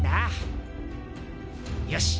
よし！